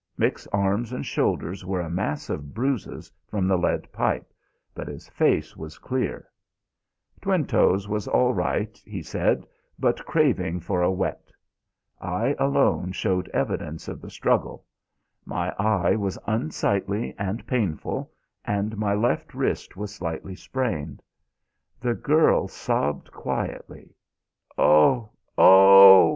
Mick's arms and shoulders were a mass of bruises from the lead pipe, but his face was clear. Twinetoes was all right, he said, but craving for a wet. I alone showed evidence of the struggle; my eye was unsightly and painful, and my left wrist was slightly sprained. The girl sobbed quietly. "Oh! Oh!"